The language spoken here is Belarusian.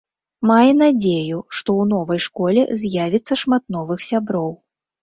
Мае надзею, што ў новай школе з'явіцца шмат новых сяброў.